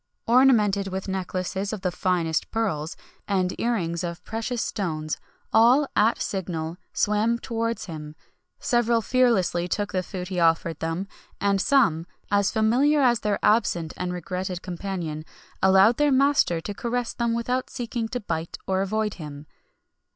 Ornamented with necklaces of the finest pearls, and earrings of precious stones,[XXI 59] all, at a signal, swam towards him; several fearlessly took the food he offered them; and some, as familiar as their absent and regretted companion, allowed their master to caress them without seeking to bite or avoid him.